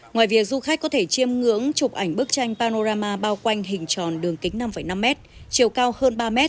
ngoài việc du khách có thể chiêm ngưỡng chụp ảnh bức tranh panorama bao quanh hình tròn đường kính năm năm m chiều cao hơn ba m